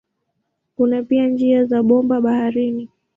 Kuna pia njia za bomba baharini.